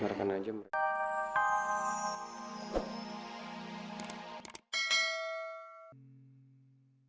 gak usah jon